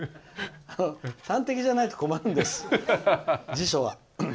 端的じゃないと困るんです辞書は。